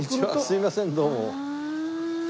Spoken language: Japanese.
すいませんどうも。